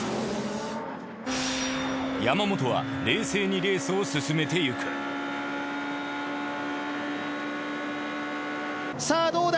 山本は冷静にレースを進めていくさあどうだ！？